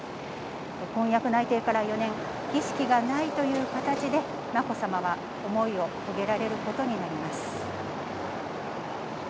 婚約内定から４年、儀式がないという形で、まこさまは重いを遂げられることになります。